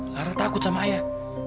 lara takut sama ayah